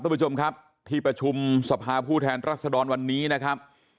ท่านผู้ชมครับที่ประชุมสภาพูดแทนรัศดรวรรณ์วันนี้นะครับ